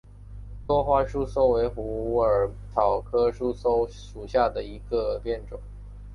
多花溲疏为虎耳草科溲疏属下的一个变种。